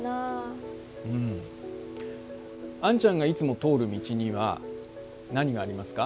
うん安ちゃんがいつも通る道には何がありますか？